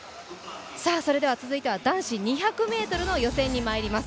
それでは続いては男子２００ｍの予選にまいります。